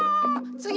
つぎ。